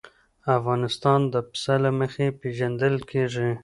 افغانستان د پسه له مخې پېژندل کېږي.